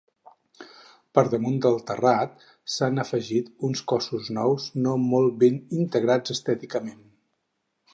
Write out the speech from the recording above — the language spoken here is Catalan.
Per damunt del terrat s’han afegit uns cossos nous no molt ben integrats estèticament.